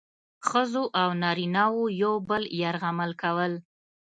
ښځو او نارینه وو یو بل یرغمل کول.